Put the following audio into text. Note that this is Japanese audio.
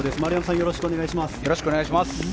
よろしくお願いします。